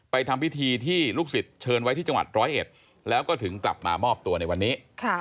ทำพิธีที่ลูกศิษย์เชิญไว้ที่จังหวัดร้อยเอ็ดแล้วก็ถึงกลับมามอบตัวในวันนี้